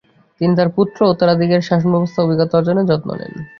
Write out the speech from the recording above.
তিনি তার পুত্র ও উত্তরাধিকারীর শাসনব্যবস্থার অভিজ্ঞতা অর্জনের যত্ন নেন।